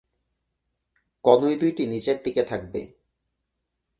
কনুই দুইটি নিচের দিকে থাকবে।